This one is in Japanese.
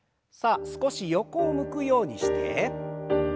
さあ少し横を向くようにして。